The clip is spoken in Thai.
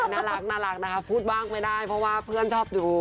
น่ารักนะคะพูดบ้างไม่ได้เพราะว่าเพื่อนชอบดู